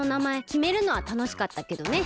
きめるのはたのしかったけどね。